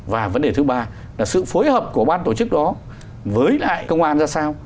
và vấn đề thứ ba là sự phối hợp của ban tổ chức đó với lại công an ra sao